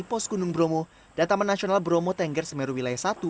pos gunung bromo dan taman nasional bromo tengger semeru wilayah satu